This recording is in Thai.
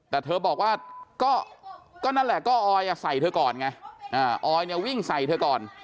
แต่เธอบอกว่าก็นั่นแหละก็ออยใส่เธอก่อนไงออยเนี่ยวิ่งใส่เธอก่อน